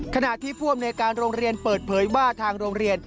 ขณะที่ผู้อำนวยการโรงเรียนเปิดเผยว่าทางโรงเรียน